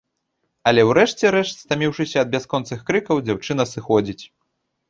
Але ў рэшце рэшт, стаміўшыся ад бясконцых крыкаў, дзяўчына сыходзіць.